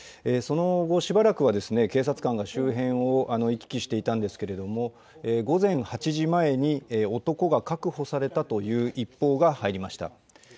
その後しばらくは警察官が周辺を行き来していたんですけれども、午前８時前に男が確保されたという一報が入りました。